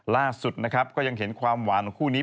ล่าสุดนะครับก็ยังเห็นความหวานของคู่นี้